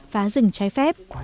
phá rừng trái phép